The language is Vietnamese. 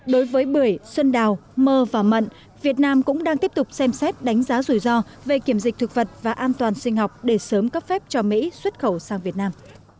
đối với bưởi xuân đào mơ và mận việt nam cũng đang tiếp tục xem xét đánh giá rủi ro về kiểm dịch thực vật và an toàn sinh học để sớm cấp phép cho mỹ xuất khẩu sang việt nam